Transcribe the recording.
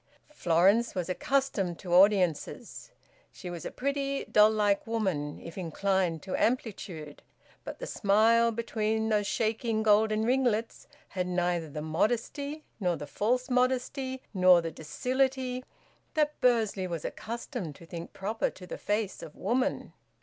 Florence was accustomed to audiences. She was a pretty, doll like woman, if inclined to amplitude; but the smile between those shaking golden ringlets had neither the modesty nor the false modesty nor the docility that Bursley was accustomed to think proper to the face of woman.